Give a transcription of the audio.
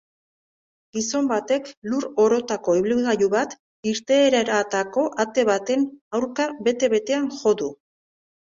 Gizon batek lur orotako ibilgailu bat irteeratako ate baten aurka bete-betean jo du.